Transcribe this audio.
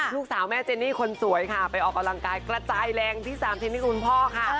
ลูกสาวแม่เจนี่คนสวยค่ะไปออกกำลังกายกระจายแรงที่๓ชิ้นให้คุณพ่อค่ะ